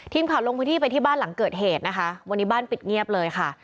ทีมข่าวลงพื้นที่ไปที่บ้านหลังเกิดเหตุนะคะวันนี้บ้านปิดเงียบเลยค่ะ